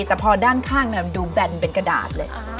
แต่พอด้านข้างมันดูแบนเป็นกระดาษเลย